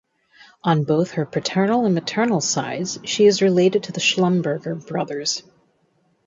On both her paternal and maternal sides she is related to the Schlumberger brothers.